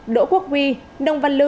đỗ quốc huy nông văn lư